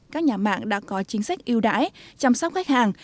các nhà mạng đã có chính sách yêu đãi chăm sóc khách hàng